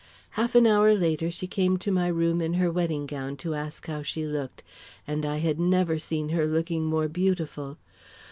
Half an hour later, she came to my room in her wedding gown to ask how she looked, and I had never seen her looking more beautiful.